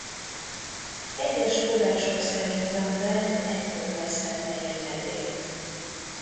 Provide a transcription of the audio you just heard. Egyes források szerint Lambert ekkor vesztette életét.